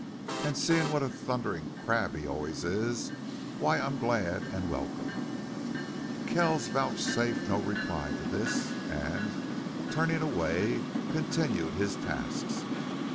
An' seein' what a thunderin' crab he always is, why I'm glad an' welcome." Kells vouchsafed no reply to this and, turning away, continued his tasks.